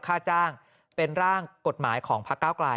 กรุงเทพฯมหานครทำไปแล้วนะครับ